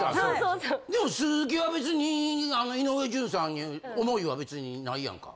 でも鈴木は別に井上順さんに思いは別にないやんか。